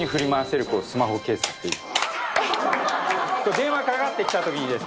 電話がかかってきた時にですね